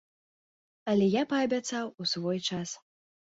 Але я паабяцаў у свой час.